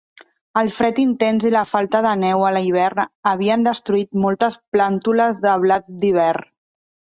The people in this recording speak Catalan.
El fred intens i la falta de neu a l'hivern havien destruït moltes plàntules de blat d'hivern.